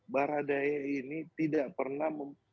baradaya ini tidak pernah mem